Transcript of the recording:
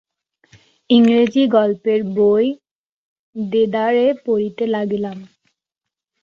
ইংরেজি গল্পের বই দেদার পড়িতে লাগিলাম।